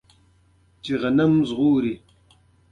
پیرودونکی تل د ښه خدمت تمه لري.